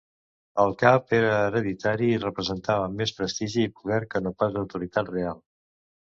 El cap era hereditari i representava més prestigi i poder que no pas autoritat real.